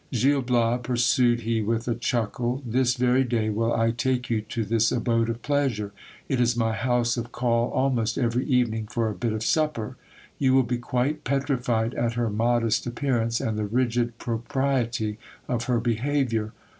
Gil Bias, pursued he with a chuckle, this very day will I take you to this abode of pleasure ; it is my house of call almost every evening for a bit of supper. You will be quite petrified at her modest appearance, and the rigid propriety of her behaviour.